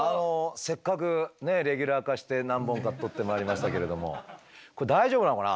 せっかくレギュラー化して何本か撮ってまいりましたけれどもちょっといかがですか？